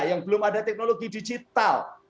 yang belum ada teknologi digital